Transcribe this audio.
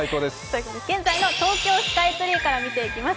現在の東京スカイツリーから見ていきます。